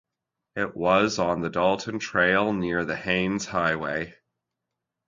It was on the Dalton Trail near the Haines Highway.